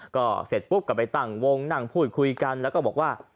ก็เสร็จปุ๊บก็ไปตั้งวงนั่งพูดคุยกันแล้วก็บอกว่า